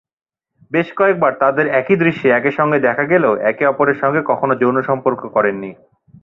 বেশ কয়েকবার তাদের একই দৃশ্যে একসঙ্গে দেখা গেলেও একে অপরের সঙ্গে কখনো যৌন সম্পর্ক করেননি।